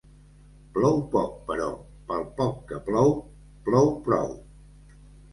Plou poc, però, pel poc que plou, plou prou.